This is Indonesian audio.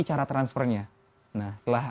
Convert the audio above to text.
cara transfernya nah setelah